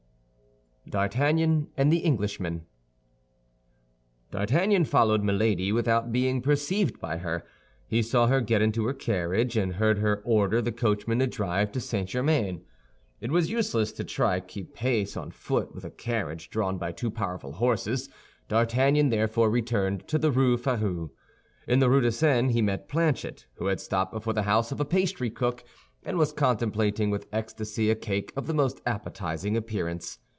D'ARTAGNAN AND THE ENGLISHMAN D'Artagnan followed Milady without being perceived by her. He saw her get into her carriage, and heard her order the coachman to drive to St. Germain. It was useless to try to keep pace on foot with a carriage drawn by two powerful horses. D'Artagnan therefore returned to the Rue Férou. In the Rue de Seine he met Planchet, who had stopped before the house of a pastry cook, and was contemplating with ecstasy a cake of the most appetizing appearance.